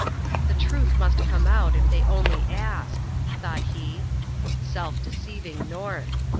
"The truth must come out if they only ask," thought he. Self deceiving North!